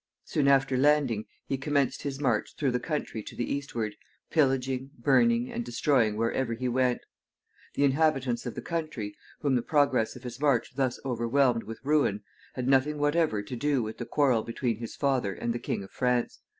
Soon after landing he commenced his march through the country to the eastward, pillaging, burning, and destroying wherever he went. The inhabitants of the country, whom the progress of his march thus overwhelmed with ruin, had nothing whatever to do with the quarrel between his father and the King of France.